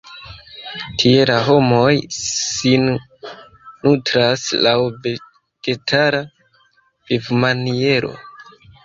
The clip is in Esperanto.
Tie la homoj sin nutras laŭ vegetara vivmaniero.